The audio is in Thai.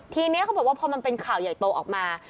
ทีนี้เขาบอกว่าพอมันเป็นข่าวใหญ่โตออกมา